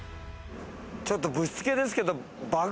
ちょっとぶしつけですけど爆